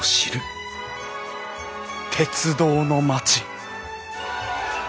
鉄道の町！